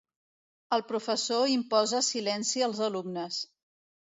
El professor imposa silenci als alumnes.